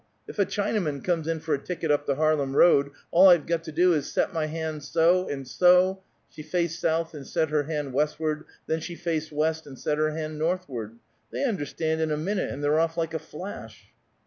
If a Chinaman comes in for a ticket up the Harlem road, all I've got to do is to set my hand so, and so!" She faced south and set her hand westward; then she faced west, and set her hand northward. "They understand in a minute, and they're off like a flash."